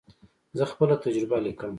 زه خپله تجربه لیکم.